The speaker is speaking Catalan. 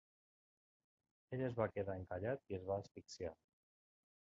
Ell es va quedar encallat i es va asfixiar.